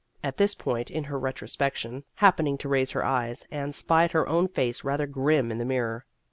At this point in her retrospection, happening to raise her eyes, Anne spied her own face rather grim in the mirror.